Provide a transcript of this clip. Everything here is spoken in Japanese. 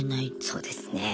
そうですね。